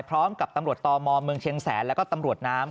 พร้อมกับตำรวจตมเมืองเชียงแสนแล้วก็ตำรวจน้ำ